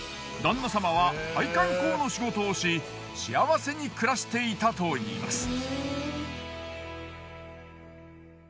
旦那様は配管工の仕事をし幸せに暮らしていたといいます。